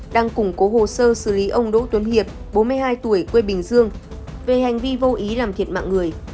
đang củng cố hồ sơ xử lý ông đỗ tuấn hiệp bốn mươi hai tuổi quê bình dương về hành vi vô ý làm thiệt mạng người